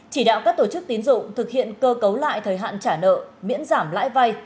chỉ đạo các tổ chức tín dụng thực hiện cơ cấu lại thời hạn trả nợ miễn giảm lãi vay